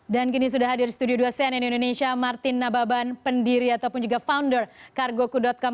dan kini sudah hadir di studio dua cnn indonesia martin nababan pendiri ataupun juga founder cargoku com